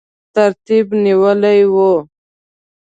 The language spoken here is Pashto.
ترتیب نیولی وو.